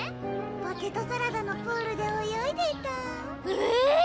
ポテトサラダのプールで泳いでたえぇ！